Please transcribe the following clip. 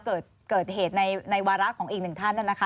เกิดเหตุในวาระของอีกหนึ่งท่านนะคะ